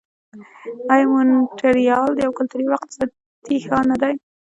آیا مونټریال یو کلتوري او اقتصادي ښار نه دی؟